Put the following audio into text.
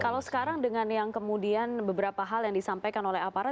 kalau sekarang dengan yang kemudian beberapa hal yang disampaikan oleh aparat